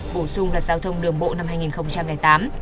bổ sung luật giao thông đường bộ năm hai nghìn tám